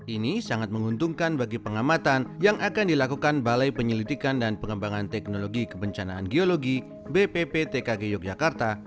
ini sangat menguntungkan bagi pengamatan yang akan dilakukan balai penyelidikan dan pengembangan teknologi kebencanaan geologi bpptkg yogyakarta